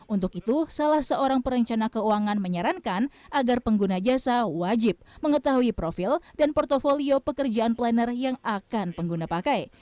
untuk itu salah seorang perencana keuangan menyarankan agar pengguna jasa wajib mengetahui profil dan portfolio pekerjaan planner yang akan pengguna pakai